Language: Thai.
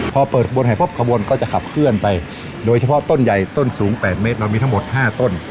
พอเปิดขบวนให้พบขบวนก็จะขับเคลื่อนไปโดยเฉพาะต้นใหญ่ต้นสูง๘เมตรเรามีทั้งหมด๕ต้น